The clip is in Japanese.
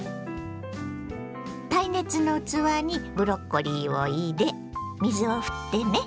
耐熱の器にブロッコリーを入れ水をふってね。